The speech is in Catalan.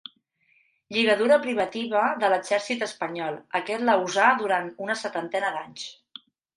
Lligadura privativa de l'exèrcit espanyol, aquest la usà durant una setantena d'anys.